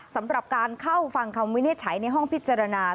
สำหรับการเข้าฟังคำวินิจฉัยในห้องพิจารณา